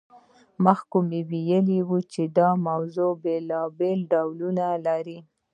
مخکې مو وویل چې د کار موضوع بیلابیل ډولونه لري.